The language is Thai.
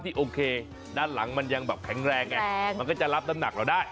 โอเคด้านหลังมันยังแบบแข็งแรงไงมันก็จะรับน้ำหนักเราได้